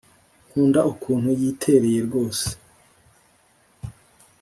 Nkunda ukuntu yitereye rwose